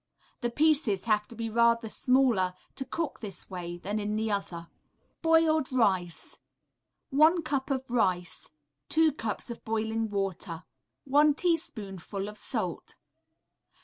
The pieces have to be rather smaller to cook in this way than in the other. Boiled Rice 1 cup of rice. 2 cups of boiling water. 1 teaspoonful of salt.